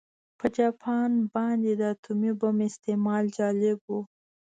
په جاپان باندې د اتومي بم استعمال جالب و